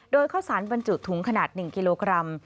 โดยข้าวสารบรรจุถุงขนาด๑กิโลกรัม